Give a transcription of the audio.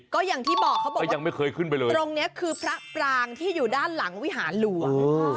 ก็อย่างที่บอกเขาบอกว่าตรงนี้คือพระปรางที่อยู่ด้านหลังวิหารหลวง